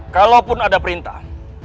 kalaupun ada perintah